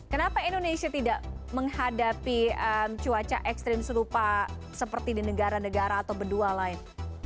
kenapa indonesia tidak menghadapi cuaca ekstrim serupa seperti di negara negara atau berdua lain